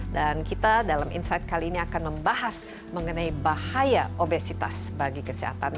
dan kita dalam insight kali ini akan membahas mengenai bahaya obesitas bagi kesehatan